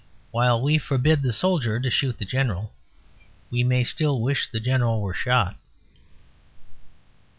While we forbid the soldier to shoot the general, we may still wish the general were shot.